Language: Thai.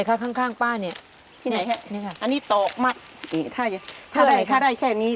เก็บต้องเอาไปโบโภดูมั้ยคะเอาไป